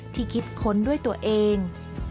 คิดค้นด้วยตัวเอง